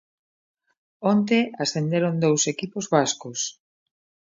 Onte ascenderon dous equipos vascos.